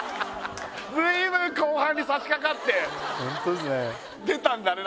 ずいぶん後半にさしかかってホントですね出たんだね